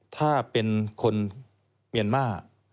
ถ้าเป็นคนเมียนมาร์